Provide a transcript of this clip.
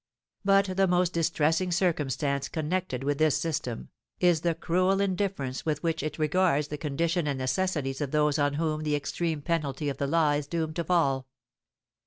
"But the most distressing circumstance connected with this system, is the cruel indifference with which it regards the condition and necessities of those on whom the extreme penalty of the law is doomed to fall.